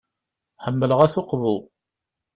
Ḥemmleɣ At Uqbu.